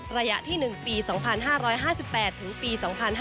ระยะที่๑ปี๒๕๕๘ถึงปี๒๕๕๙